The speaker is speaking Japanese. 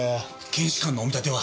検視官のお見立ては！？